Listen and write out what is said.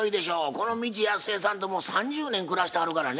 この未知やすえさんともう３０年暮らしてはるからね。